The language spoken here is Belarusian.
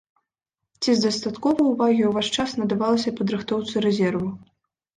Ці дастаткова ўвагі ў ваш час надавалася падрыхтоўцы рэзерву?